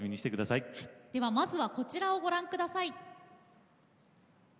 ではまずはこちらをご覧ください。